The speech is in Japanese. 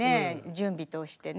準備としてね